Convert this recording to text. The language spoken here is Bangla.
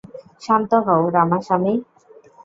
শান্ত হও, রামাসামি।